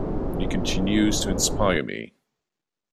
He continues to inspire me.